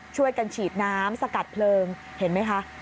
ช่วยกันฉีดน้ำสกัดเพลิงเห็นไหมคะ